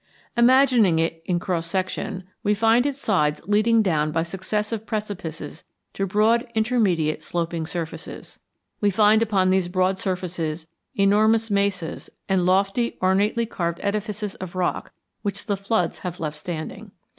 Imagining it in cross section, we find its sides leading down by successive precipices to broad intermediate sloping surfaces. We find upon these broad surfaces enormous mesas and lofty, ornately carved edifices of rock which the floods have left standing.